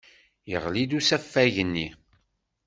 Yeɣli-d usafag-nni.